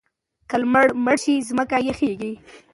که لمر مړ شي ځمکه یخیږي.